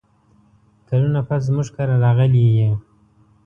کلونه پس زموږ کره راغلې یې !